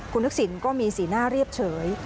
คุณทักษิณก็มีสีหน้าเรียบเฉย